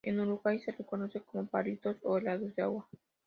En Uruguay se los conoce como palitos o helados de agua.